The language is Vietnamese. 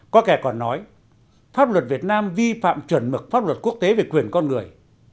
có kẻ còn nói pháp luật việt nam vi phạm chuẩn mực pháp luật quốc tế về quyền con người